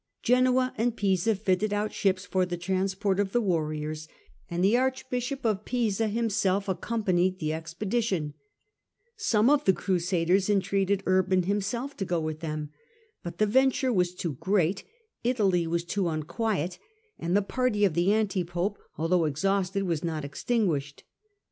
Genoa and Pisa fitted out ships for the transport of the warriors, and the archbishop of Pisa himself accompanied the expedition, Some of the crusaders entreated Urban himself to go with them, but the venture was too great ; Italy was too unquiet, and the party of the anti pope, although ex hausted, was not extinguished.